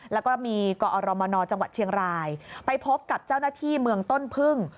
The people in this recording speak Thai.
แล้วก็มีกอรมนจังหวัดเชียงรายไปพบกับเจ้าหน้าที่เมืองต้นพึ่ง